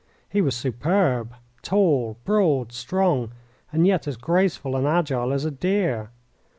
He was superb: tall, broad, strong, and yet as graceful and agile as a deer.